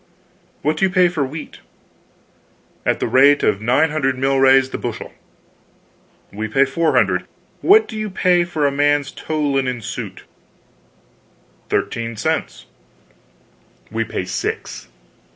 What do you pay for wheat?" "At the rate of nine hundred milrays the bushel." "We pay four hundred. What do you pay for a man's tow linen suit?" "Thirteen cents." "We pay six.